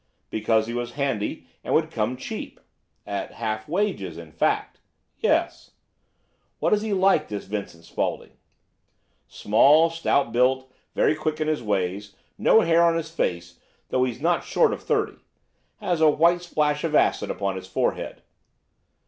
"Because he was handy and would come cheap." "At half wages, in fact." "Yes." "What is he like, this Vincent Spaulding?" "Small, stout built, very quick in his ways, no hair on his face, though he's not short of thirty. Has a white splash of acid upon his forehead."